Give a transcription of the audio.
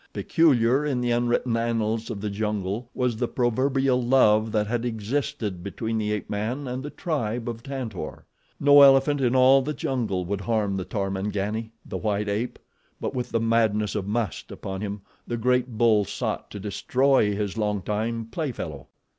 Peculiar in the unwritten annals of the jungle was the proverbial love that had existed between the ape man and the tribe of Tantor. No elephant in all the jungle would harm the Tarmangani—the white ape; but with the madness of must upon him the great bull sought to destroy his long time play fellow.